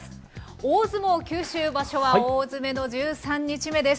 大相撲九州場所は大詰めの１３日目です。